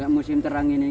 musim terang ini